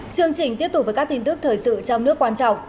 chương trình tiếp tục với các tin tức thời sự trong nước quan trọng